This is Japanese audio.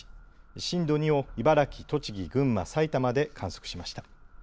震度２を茨城、栃木、群馬、埼玉で観測しました。